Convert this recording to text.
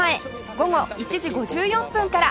午後１時５４分から